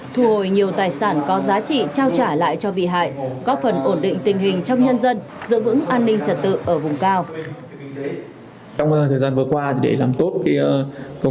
thu hồi nhiều tài sản có giá trị trao trả lại cho vị hại góp phần ổn định tình hình trong nhân dân